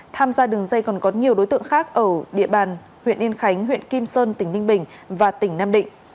tham gia đường dây còn có nhiều đối tượng khác ở địa bàn huyện yên khánh huyện kim sơn tỉnh ninh bình và tỉnh nam định